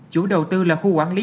chủ đầu tư là khu quản lý